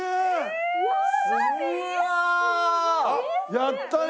やったね。